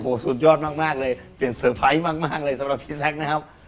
โอ้โหสุดยอดมากเลยเปลี่ยนเซอร์ไพรส์มากเลยสำหรับพี่แซคนะครับ